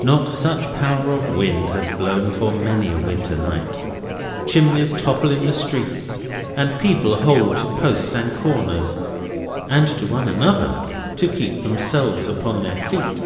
Not such power of wind has blown for many a winter night. Chimneys topple in the streets, and people hold to posts and corners, and to one another, to keep themselves upon their feet.